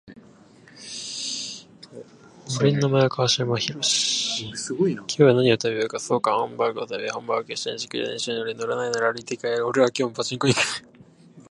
俺の名前は川島寛。今日は何を食べようか。そうだハンバーグを食べよう。ハンバーグ。シンジ、電車に乗れ。乗らないなら歩いて帰れ。俺は今日もパチンコに行くぜ。